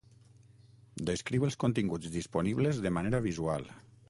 Descriu els continguts disponibles de manera visual.